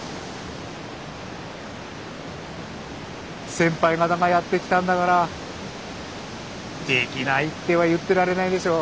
先輩方がやってきたんだからできないっては言ってられないでしょう。